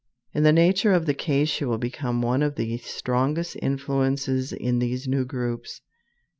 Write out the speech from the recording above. In the nature of the case she will become one of the strongest influences in these new groups.